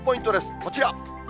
こちら。